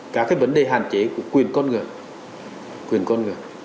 các cái vấn đề hạn chế của quyền con người